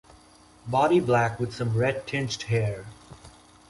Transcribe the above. Body black with some red tinged hair.